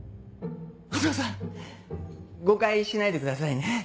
お義父さん誤解しないでくださいね。